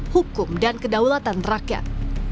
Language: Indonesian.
hukum dan kedaulatan rakyat